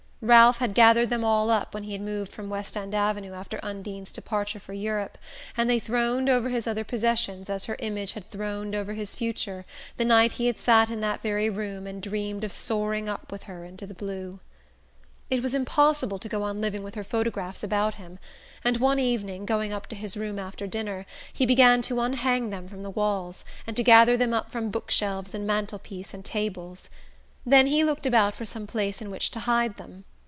Ralph had gathered them all up when he had moved from West End Avenue after Undine's departure for Europe, and they throned over his other possessions as her image had throned over his future the night he had sat in that very room and dreamed of soaring up with her into the blue... It was impossible to go on living with her photographs about him; and one evening, going up to his room after dinner, he began to unhang them from the walls, and to gather them up from book shelves and mantel piece and tables. Then he looked about for some place in which to hide them.